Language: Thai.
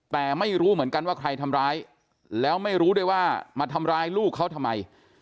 แต่ไม่รู้เหมือนกันว่าใครทำร้ายแล้วไม่รู้ด้วยว่ามาทำร้ายลูกเขาทำไม